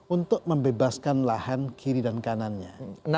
untuk membebaskan lahan kiri dan kanannya